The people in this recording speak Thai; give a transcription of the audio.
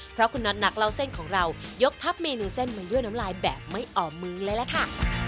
เพราะคุณน็อตนักเล่าเส้นของเรายกทัพเมนูเส้นมายั่วน้ำลายแบบไม่ออกมือเลยล่ะค่ะ